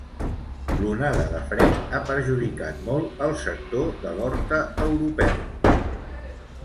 L'onada de fred ha perjudicat molt el sector de l'horta europeu.